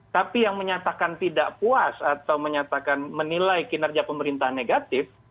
tapi yang menyatakan tidak puas atau menyatakan menilai kinerja pemerintah negatif